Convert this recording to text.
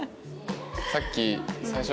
さっき最初。